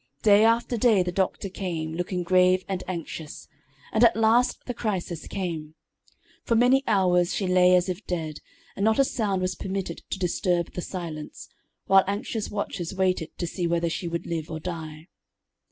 Day after day the doctor came, looking grave and anxious, and at last the crisis came. For many hours she lay as if dead, and not a sound was permitted to disturb the silence, while anxious watchers waited to see whether she would live or die.